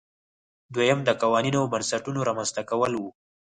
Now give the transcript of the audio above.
دویم د قوانینو او بنسټونو رامنځته کول وو.